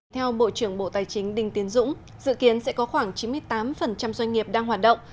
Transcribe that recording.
theo bộ trưởng bộ tài chính đinh tiến dũng dự kiến sẽ có khoảng chín mươi tám doanh nghiệp đang hoạt động